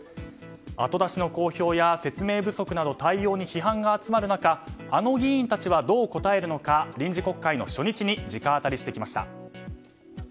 後出しの公表や説明不足など対応に批判が集まる中あの議員たちはどう答えるのか臨時国会の初日に直アタリしてきました。